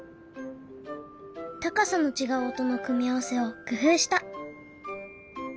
高さの違う音の組み合わせを工夫した。